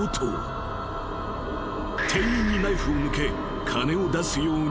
［店員にナイフを向け金を出すように脅しているのだ］